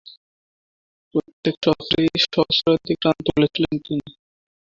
প্রত্যেক সফরেই সহস্রাধিক রান তুলেছিলেন তিনি।